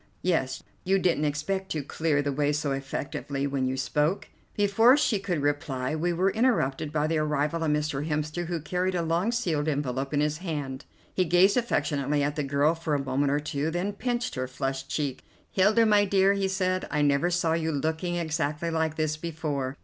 "Yes, you didn't expect to clear the way so effectively when you spoke?" Before she could reply we were interrupted by the arrival of Mr. Hemster, who carried a long sealed envelope in his hand. He gazed affectionately at the girl for a moment or two, then pinched her flushed cheek. "Hilda, my dear," he said, "I never saw you looking exactly like this before.